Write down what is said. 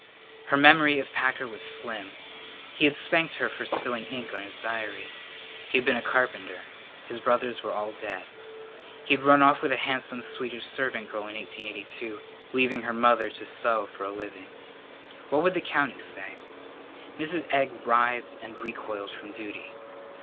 Her memory of Packer was slim. He had spanked her for spilling ink on his diary. He had been a carpenter. His brothers were all dead. He had run off with a handsome Swedish servant girl in 1882, leaving her mother to sew for a living. What would the county say? Mrs. Egg writhed and recoiled from duty.